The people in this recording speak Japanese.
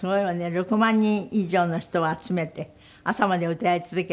６万人以上の人を集めて朝まで歌い続けて。